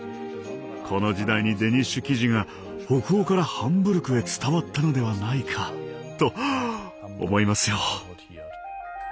この時代にデニッシュ生地が北欧からハンブルクへ伝わったのではないかと思いますよ。